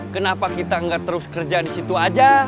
kenapa kita gak terus kerja disitu aja